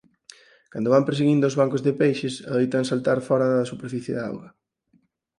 Cando van perseguindo os bancos de peixes adoitan saltar fóra da superficie da auga.